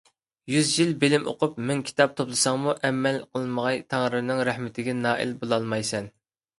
يۈز يىل بىلىم ئوقۇپ مىڭ كىتاب توپلىساڭمۇ ئەمەل قىلماي تەڭرىنىڭ رەھمىتىگە نائىل بولالمايسەن.